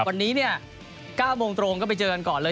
วันนี้เนี่ย๙โมงตรงก็ไปเจอกันก่อนเลย